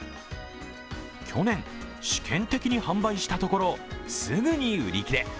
去年、試験的に販売したところすぐに売り切れ。